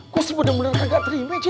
gua sih bener bener kagak terima ji